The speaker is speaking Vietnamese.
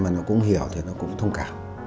mà nó cũng hiểu thì nó cũng thông cảm